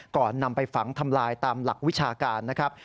ก่อนนำไปฝังทำลายตามหลักวิชาการนะครับ